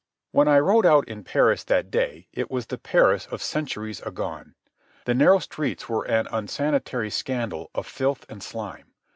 When I rode out in Paris that day it was the Paris of centuries agone. The narrow streets were an unsanitary scandal of filth and slime.